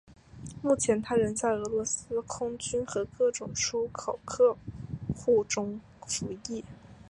目前它仍在俄罗斯空军和各种出口客户当中服役。